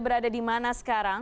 berada dimana sekarang